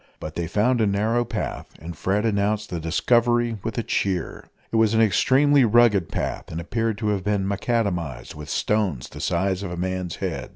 But they found a narrow path, and Fred announced the discovery with a cheer. It was an extremely rugged path, and appeared to have been macadamised with stones the size of a man's head.